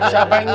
siapa yang nyum